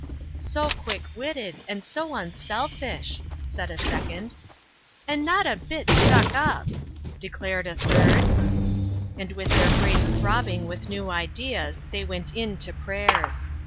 " So quick witted and so unselfish !" said a second. "OUR CHURCH.'* 107 " And not a bit 4 stuck up ' 1 " declared a third. And with their brains throbbing with new ideas, they went in to prayers.